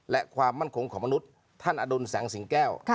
และความมั่นคงของมนุษย์ท่านอดุลแสงสิงแก้ว